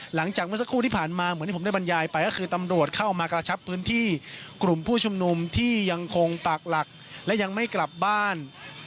หลังจากเมื่อสักครู่ที่ผ่านมาเหมือนที่ผมได้บรรยายไปก็คือตำรวจเข้ามากระชับพื้นที่กลุ่มผู้ชุมนุมที่ยังคงปากหลักและยังไม่กลับบ้าน